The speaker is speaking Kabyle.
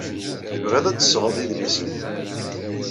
Tebɣiḍ ad d-tesɣeḍ idlisen.